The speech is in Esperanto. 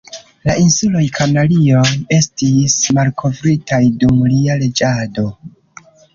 La Insuloj Kanarioj estis malkovritaj dum lia reĝado.